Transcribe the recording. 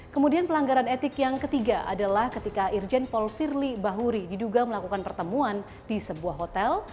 kemudian pelanggaran etik yang ketiga adalah ketika irjen paul firly bahuri diduga melakukan pertemuan di sebuah hotel